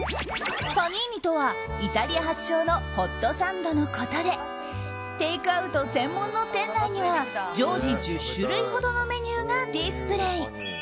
パニーニとはイタリア発祥のホットサンドのことでテイクアウト専門の店内には常時１０種類ほどのメニューがディスプレー。